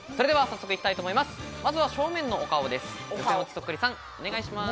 では早速行きたいと思います。